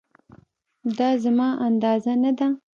دا زما اندازه نه ده